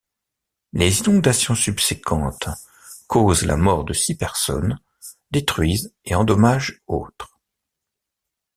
Les inondations subséquentes causent la mort de six personnes, détruisent et endommagent autres.